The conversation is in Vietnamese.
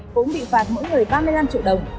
cũng bị phạt mỗi người ba mươi năm triệu đồng